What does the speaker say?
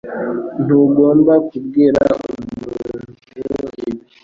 Ntugomba kubwira umuntu ibi